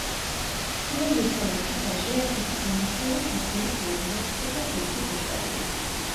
თინა ვირსალაძის ვაჟია ერთ-ერთი გამორჩეული ქართველი ხელოვნებათმცოდნე გოგი ხოშტარია.